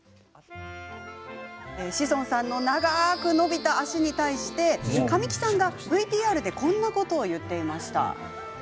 志尊さんの長く伸びた脚に対して神木さんがＶＴＲでこんなことを言っていました。